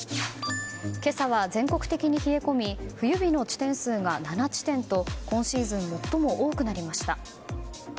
今朝は全国的に冷え込み冬日の地点数が７地点と今シーズン最も多くなりました。